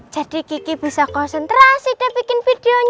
jadi kiki bisa konsentrasi deh bikin videonya